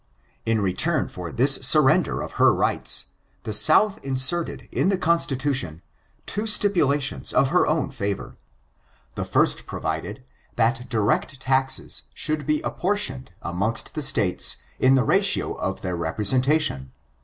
'In return for this surrender of her rights, the South inserted in the Constitution two stipulations in her own . favor. The first provided, that direct taxes should be apportioned amongst the States in the ratio of their representation.